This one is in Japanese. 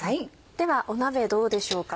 では鍋どうでしょうか。